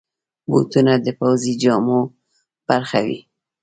بوټونه د پوځي جامو برخه وي.